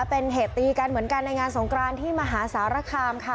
เป็นเหตุตีกันเหมือนกันในงานสงกรานที่มหาสารคามค่ะ